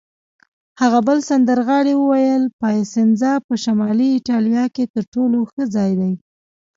هغه بل سندرغاړي وویل: پایسنزا په شمالي ایټالیا کې تر ټولو ښه ځای دی.